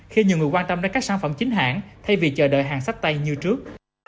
khi nhiều người quan tâm đến các sản phẩm chính hãng thay vì chờ đợi hàng sách tay như trước